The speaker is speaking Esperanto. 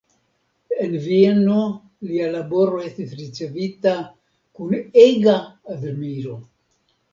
En Vieno lia laboro estis ricevita kun ega admiro.